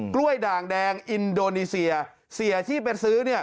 กล่วยด่างแดงอินโดนีเซียเสียที่ไปซื้อ